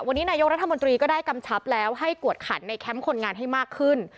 วันนี้นายกรัฐมนตรีก็ได้กำชับแล้วให้กวดขันในแคมป์คนงานให้มากขึ้น